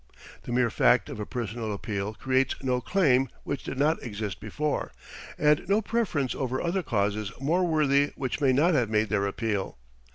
The mere fact of a personal appeal creates no claim which did not exist before, and no preference over other causes more worthy which may not have made their appeal.